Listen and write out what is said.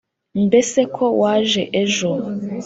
Mbese ko waje ejo